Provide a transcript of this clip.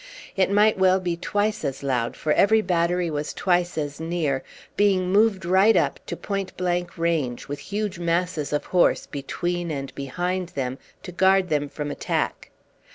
It might well be twice as loud, for every battery was twice as near, being moved right up to point blank range, with huge masses of horse between and behind them to guard them from attack.